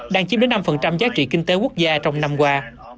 đang chiếm đến năm giá trị kinh tế quốc gia trong năm qua